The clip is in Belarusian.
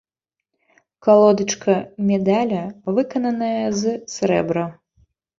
Калодачка медаля выкананая з срэбра.